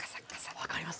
分かります。